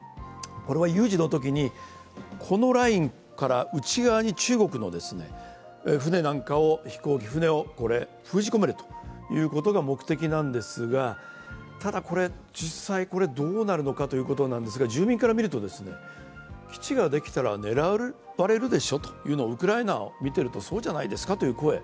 これは有事のときにこのラインから内側に中国の船や飛行機を封じ込めることが目的なんですが、ただ、実際どうなるかということですが、住民から見ると、基地ができたら狙われるでしょというのがウクライナを見ていると、そうじゃないですかという声。